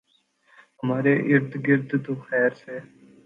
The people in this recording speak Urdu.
ہمارے اردگرد تو خیر سے